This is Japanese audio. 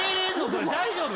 それ大丈夫？